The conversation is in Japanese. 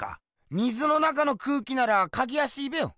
水の中の空気なら描きやしいべよ。